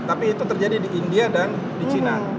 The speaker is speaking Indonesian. tapi itu terjadi di india dan di china